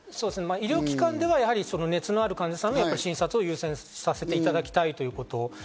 医療機関では熱のある患者さんに優先させていただきたいということ。